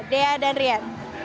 dea dan rian